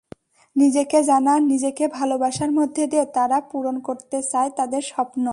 নিজেকে জানা, নিজেকে ভালোবাসার মধ্যে দিয়ে তারা পূরণ করতে চায় তাদের স্বপ্ন।